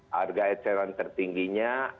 harga eceran tertingginya